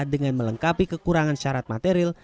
dengan melengkapi kekurangan syarat material